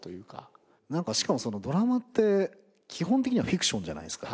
しかもドラマって基本的にはフィクションじゃないですか。